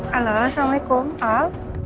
halo assalamu'alaikum al